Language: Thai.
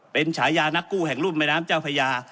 เป็นฉายานักกู้แห่งรุ่มแม่น้ำเจ้าพญา